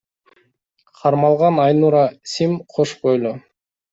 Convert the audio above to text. Кармалган Айнура Сим кош бойлуу.